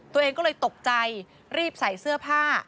ตัวเองก็เลยตกใจรีบใส่เสื้อผ้า